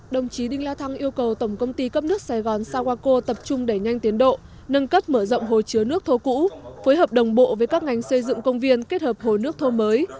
đồng chí đinh la thăng yêu cầu tổng công ty cấp nước sài gòn sawako tập trung đẩy nhanh tiến độ nâng cấp mở rộng hồ chứa nước thô cũ phối hợp đồng bộ với các ngành xây dựng công viên kết hợp hồ nước thô mới